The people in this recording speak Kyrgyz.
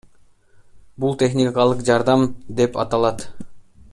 Бул техникалык жардам деп аталат.